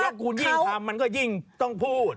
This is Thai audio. ถ้าคุณยิ่งทำมันก็ยิ่งต้องพูด